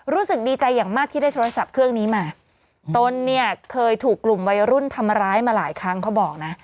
รู้สึกดีใจอย่างมากที่ได้โทรศัพท์เครื่องนี้มาตนเนี่ยเคยถูกกลุ่มวัยรุ่นทำร้ายมาหลายครั้งเขาบอกนะ